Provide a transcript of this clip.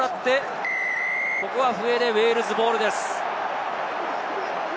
ここは笛が鳴って、ウェールズボールです。